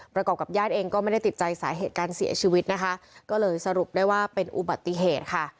ประกอบกับญาติเองก็ไม่ได้ติดใจสาเหตุการเสียชีวิตนะคะก็เลยสรุปได้ว่าเป็นอุบัติเหตุค่ะ